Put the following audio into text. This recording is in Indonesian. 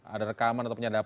ada rekaman atau penyadapan